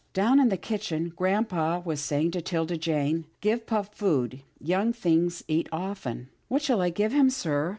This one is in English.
Down in the kitchen grampa was saying to 'Tilda Jane, " Give pup food — young things eat often." "What shall I give him, sir?"